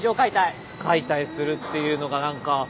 解体するっていうのがなんか。